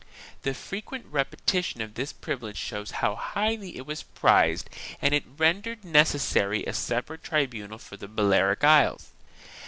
2 The frequent repetition of this privilege shows how highly it was prized and it rendered necessary a separate tribunal for the Bal earic Isles.